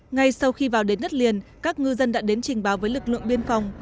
ngay sau khi vào đến đất liền các ngư dân đã đến trình báo với lực lượng biên phòng